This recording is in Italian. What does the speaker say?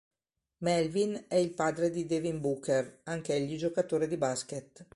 Melvin è il padre di Devin Booker, anch'egli giocatore di basket.